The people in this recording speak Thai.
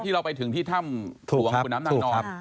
ที่เราไปถึงที่ถ้ำถูกหวังคุณน้ำนั่งนอน